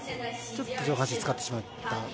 ちょっと上半身を使ってしまった。